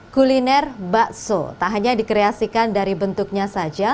kuliner bakso tak hanya dikreasikan dari bentuknya saja